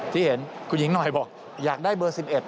ที่เห็นคุณหญิงหน่อยบอกอยากได้เบอร์๑๑